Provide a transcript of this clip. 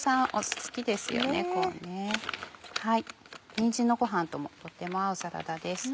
にんじんのごはんともとても合うサラダです。